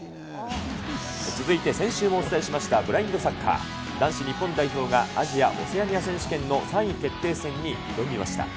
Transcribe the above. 続いて先週もお伝えしましたブラインドサッカー男子日本代表が、アジア・オセアニア選手権の３位決定戦に挑みました。